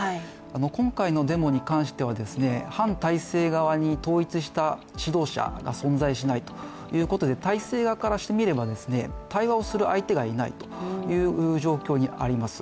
今回のデモに関しては反体制側に統一した指導者が存在しないということで体制側からしてみれば対話をする相手がいないという状況にあります